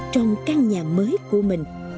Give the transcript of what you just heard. trong căn nhà mới của mình